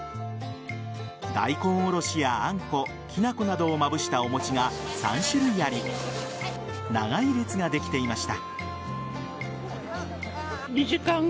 大根おろしやあんこきなこなどをまぶしたお餅が３種類あり長い列ができていました。